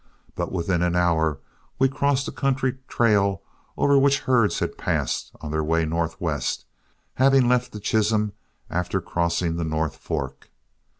But within an hour we crossed a country trail over which herds had passed on their way northwest, having left the Chisholm after crossing the North Fork.